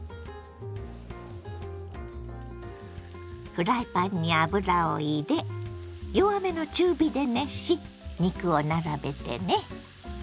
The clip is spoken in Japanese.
フライパンに油を入れ弱めの中火で熱し肉を並べてね。